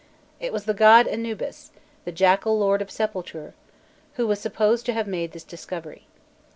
It was the god Anubis the jackal lord of sepulture who was supposed to have made this discovery.